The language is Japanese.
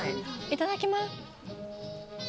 いただきます。